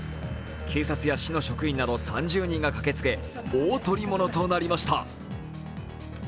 警察や市の職員など３０人が駆けつけ大捕り物となりました。